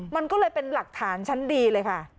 มันก็เลยเป็นหลักฐานชั้นดีเลยค่ะ